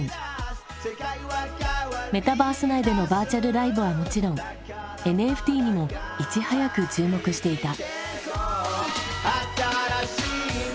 メタバース内でのバーチャルライブはもちろんＮＦＴにもいち早く注目していた。